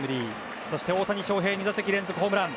そして大谷翔平２打席連続ホームラン。